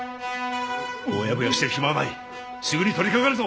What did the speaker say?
ボヤボヤしてる暇はないすぐに取りかかるぞ！